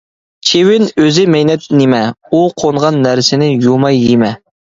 چىۋىن ئۆزى مەينەت نېمە، ئۇ قونغان نەرسىنى يۇماي يېمە.